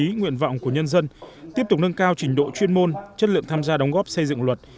ý nguyện vọng của nhân dân tiếp tục nâng cao trình độ chuyên môn chất lượng tham gia đóng góp xây dựng luật